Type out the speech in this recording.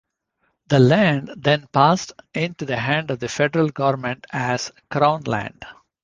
The land then passed into the hand of the federal government as "Crown land".